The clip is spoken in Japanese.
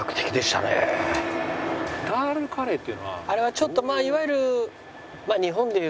あれはちょっとまあいわゆる。